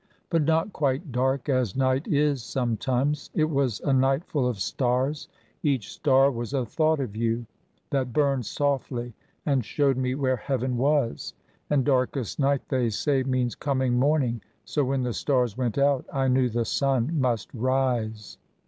But not quite dark, as night is sometimes. It was a night full of stars each star was a thought of you, that burned softly and showed me where heaven was. And darkest night, they say, means coming morning so when the stars went out I knew the sun must rise."